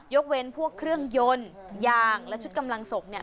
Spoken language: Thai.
ยกเว้นพวกเครื่องยนต์ยางและชุดกำลังศพเนี่ย